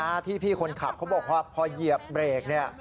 ที่พี่คนขับเขาบอกว่าพอเหยียบเบรกเนี่ย